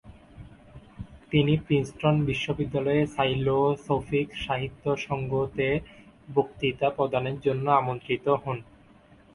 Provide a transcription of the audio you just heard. তিনি প্রিন্সটন বিশ্ববিদ্যালয়ের "সাইলোসোফিক সাহিত্য সংঘ"তে বক্তৃতা প্রদানের জন্য আমন্ত্রিত হন।